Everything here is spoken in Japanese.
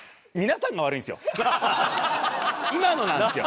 今のなんですよ。